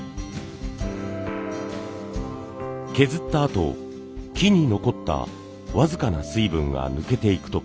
削ったあと木に残った僅かな水分が抜けていく時